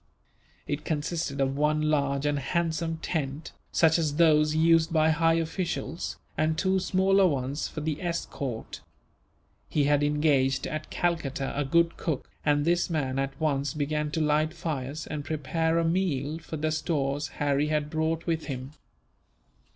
It consisted of one large and handsome tent, such as those used by high officials, and two smaller ones for the escort. He had engaged at Calcutta a good cook, and this man at once began to light fires, and prepare a meal from the stores Harry had brought with him.